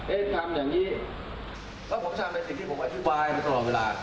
เอ๊ยทำอย่างงี้ก็คงช่ำเป็นจิตที่ผมอธิบายมาตลอดเวลา